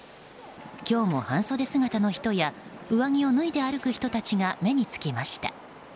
今日も半袖姿の人や上着を脱いで歩く人の姿が目につきました。